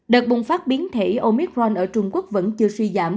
đợt bùng phát biến thể omicron ở trung quốc vẫn chưa suy giảm